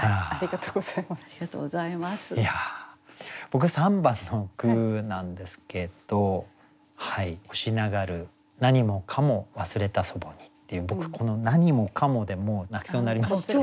僕３番の句なんですけど「星流るなにもかも忘れた祖母に」っていう僕この「なにもかも」でもう泣きそうになりました。